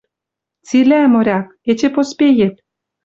Цилӓ, моряк, эче поспеет».